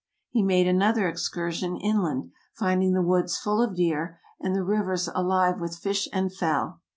He made another excursion inland, finding the woods full of deer, and the rivers alive with fish and fowl.